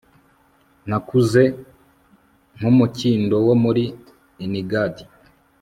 nakuze nk'umukindo wo muri enigadi